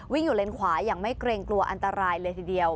วิ่งอยู่เลนขวาอย่างไม่เกรงกลัวอันตรายเลยทีเดียว